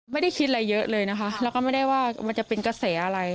ไม่ได้คิดอะไรเยอะเลยนะคะแล้วก็ไม่ได้ว่ามันจะเป็นกระแสอะไร